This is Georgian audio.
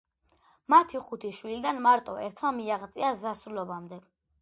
მათი ხუთი შვილიდან მარტო ერთმა მიაღწია ზრდასრულობამდე